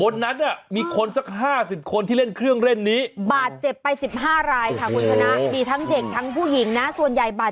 สนุกกวัดเผลินหว่าเสียวกันไปแหละ